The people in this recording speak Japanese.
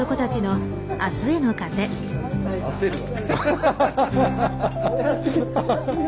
焦るわ。